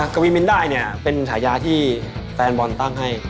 กัววินบินได้เป็นภัยยาที่แฟนบอลตั้งให้